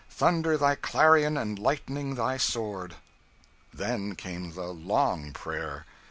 Thunder thy clarion and lightning thy sword! Then came the "long" prayer.